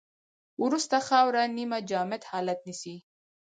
وروسته خاوره نیمه جامد حالت نیسي